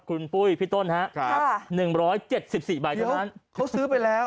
คุณปุ้ยพี่ต้นครับ๑๗๔ใบเท่านั้นเขาซื้อไปแล้ว